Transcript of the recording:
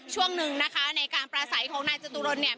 ช่วงหนึ่งนะคะในการประสัยของนายจตุรนเนี่ย